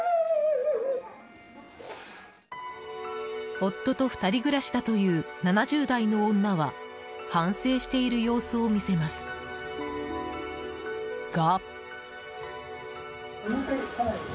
夫と２人暮らしだという７０代の女は反省している様子を見せますが。